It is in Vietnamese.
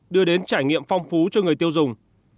đưa đến trải nghiệm phong phú cho người tiêu dùng